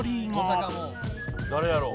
「誰やろう？」